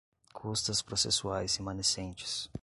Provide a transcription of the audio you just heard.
custas processuais remanescentes